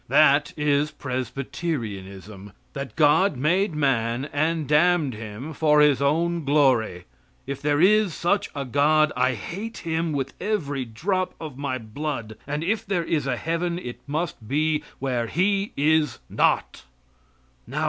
That is Presbyterianism that God made man and damned him for His own glory. If there is such a God, I hate Him with every drop of my blood; and if there is a heaven it must be where He is not.